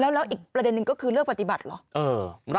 แล้วรับประเด็นก็คือเลือกปฏิบัติหรอ